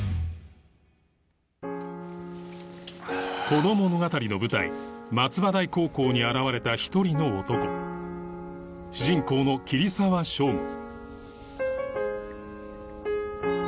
この物語の舞台松葉台高校に現れた一人の男主人公の桐沢祥吾